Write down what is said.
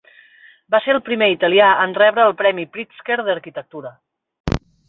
Va ser el primer italià en rebre el premi Pritzker d'arquitectura.